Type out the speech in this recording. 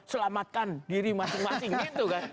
selamatkan diri masing masing gitu kan